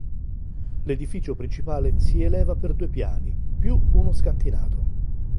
L'edificio principale si eleva per due piani, più uno scantinato.